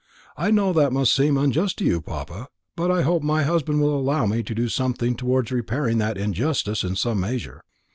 I know that must seem unjust to you, papa; but I hope my husband will allow me to do something towards repairing that injustice in some measure."